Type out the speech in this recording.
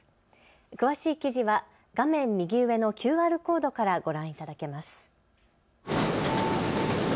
詳しい記事は画面右上のＱＲコードからご覧いただけます。